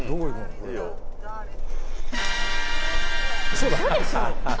嘘でしょ！